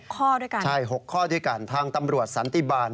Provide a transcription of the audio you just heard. ข้อด้วยกันใช่๖ข้อด้วยกันทางตำรวจสันติบาล